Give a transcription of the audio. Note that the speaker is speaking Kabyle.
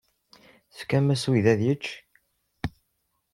Tefkam-as i uydi ad yečč?